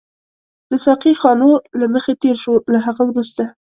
د ساقي خانو له مخې تېر شوو، له هغه وروسته.